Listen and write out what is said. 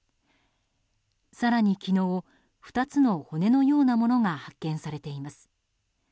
更に昨日２つの骨のようなものが発見されています。